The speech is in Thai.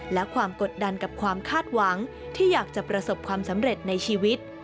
และความกดดันกับความคาดหวังที่อยากจะประสบความสำเร็จในชีวิต